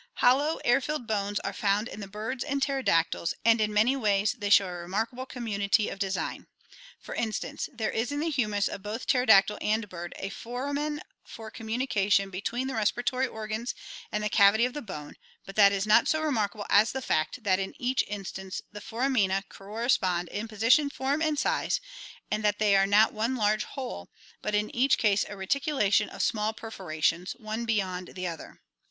— Hollow, air filled bones are found in the birds and pterodactyls and in many ways they show a remarkable community of design. For instance, there is in the humerus of both pterodactyl and bird a foramen for communication between the respiratory organs and the cavity of the bone, but that is not SO remarkable as the fact that in each instance the foramina corre spond in position, form, and size, and that they are not one large hole, but in each case a reticulation of small perforations, one be yond the other.